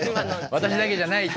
「私だけじゃない」と。